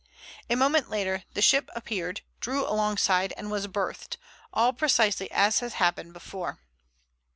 A moment later the ship appeared, drew alongside, and was berthed, all precisely as had happened before.